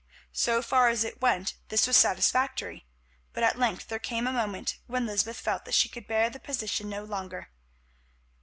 So far as it went this was satisfactory, but at length there came a moment when Lysbeth felt that she could bear the position no longer.